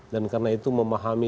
dan karena itu memahami